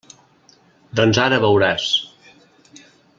Doncs ara veuràs.